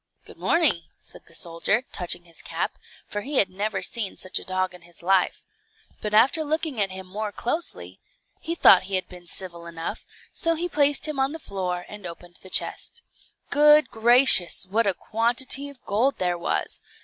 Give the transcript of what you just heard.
"Good morning," said the soldier, touching his cap, for he had never seen such a dog in his life. But after looking at him more closely, he thought he had been civil enough, so he placed him on the floor, and opened the chest. Good gracious, what a quantity of gold there was!